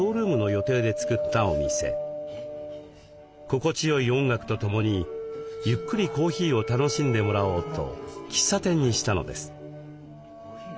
心地よい音楽とともにゆっくりコーヒーを楽しんでもらおうと喫茶店にしたのです。